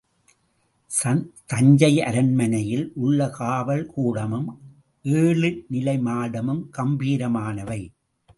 தஞ்சை அரண்மனையில் உள்ள காவல், கூடமும் எழு நிலை மாடமும் கம்பீரமானவை.